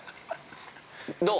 ◆どう？